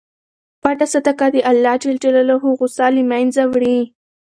پټه صدقه د اللهﷻ غصه له منځه وړي.